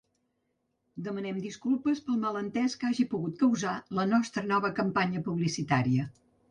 Demanem disculpes pel malentès que hagi pogut causar la nostra nova campanya publicitària.